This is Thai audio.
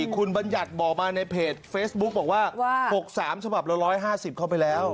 คุณบัญญัติบอกมาในเพจเฟซบุ๊กบอกว่า๖๓ฉบับละ๑๕๐เข้าไปแล้ว